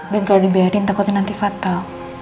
din kalau dibiarin takutin nanti fatal